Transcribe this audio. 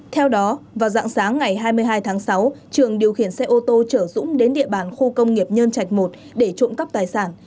theo đó vào dạng sáng ngày hai mươi hai tháng sáu trường điều khiển xe ô tô chở dũng đến địa bàn khu công nghiệp nhân trạch một để trộm cắp tài sản